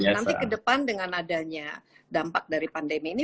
nanti ke depan dengan adanya dampak dari pandemi ini